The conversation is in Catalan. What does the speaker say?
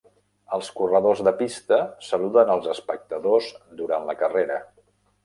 Els corredors de pista saluden als espectadors durant la carrera.